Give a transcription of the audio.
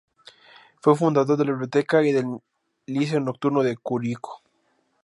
Fue fundador de la Biblioteca y del Liceo Nocturno de Curicó.